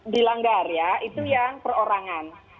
dilanggar ya itu yang perorangan